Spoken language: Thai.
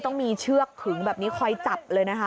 ต้องมีเชือกขึงแบบนี้คอยจับเลยนะคะ